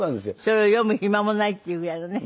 それを読む暇もないっていうぐらいのね。